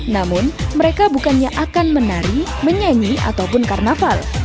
namun mereka bukannya akan menari menyanyi ataupun karnaval